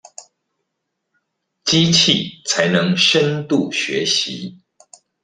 機器才能深度學習